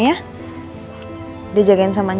jadi apa yang kamu katakan